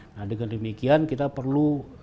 nah dengan demikian kita perlu